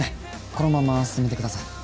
このまま進めてください